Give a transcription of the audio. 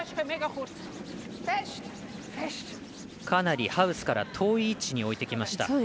かなりハウスから遠い位置に置いてきました。